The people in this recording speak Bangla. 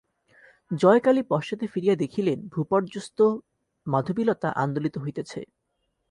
জয়কালী পশ্চাতে ফিরিয়া দেখিলেন, ভূপর্যস্ত মাধবীলতা আন্দোলিত হইতেছে।